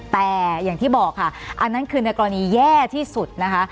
แต่อย่างที่บอกค่ะอันนั้นคือในกรณีแย่ที่สุดนะคะ